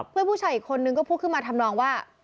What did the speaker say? ผู้ชายอีกคนนึงก็พูดขึ้นมาทำนองว่า